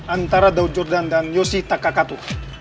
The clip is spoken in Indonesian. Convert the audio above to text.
antara daud jordan dan yoshi takakato